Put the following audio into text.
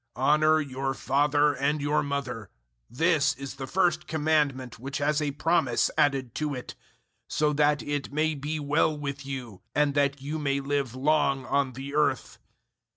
006:002 "Honour your father and your mother" this is the first Commandment which has a promise added to it 006:003 "so that it may be well with you, and that you may live long on the earth."